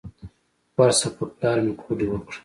ورشه په پلار مې کوډې وکړه.